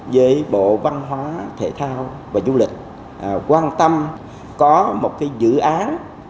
với bộ văn hóa thể thao và du lịch quan tâm có một dự án